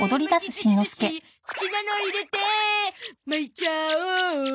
「好きなの入れて巻いちゃおう」